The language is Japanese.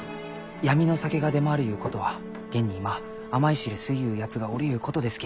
闇の酒が出回るゆうことは現に今甘い汁吸いゆうやつがおるゆうことですき。